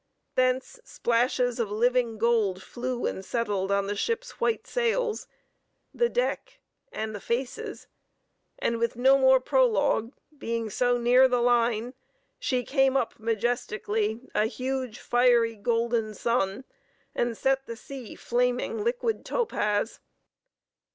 Thence splashes of living gold flew and settled on the ship's white sails, the deck, and the faces; and with no more prologue, being so near the line, up came majestically a huge, fiery, golden sun, and set the sea flaming liquid topaz.